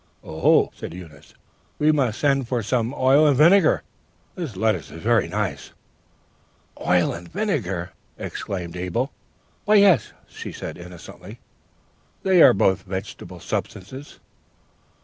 "'Oh,' said Eunice, 'we must send for some oil and vinegar! This lettuce is very nice.' "'Oil and vinegar?' exclaimed Abel. "'Why, yes,' said she, innocently: 'they are both vegetable substances.'